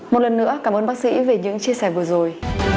một lần nữa cảm ơn bác sĩ về những chia sẻ vừa rồi